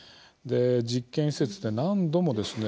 実験施設で、何度もですね